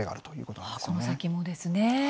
この先もですね。